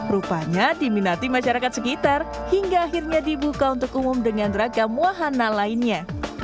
rupanya diminati masyarakat sekitar hingga akhirnya dibuka untuk umum dengan ragam wahana lainnya